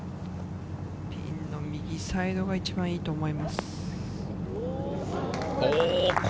ピンの右サイドが一番いいと思います。